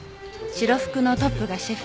白服のトップがシェフ。